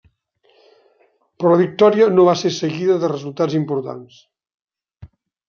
Però la victòria no va ser seguida de resultats importants.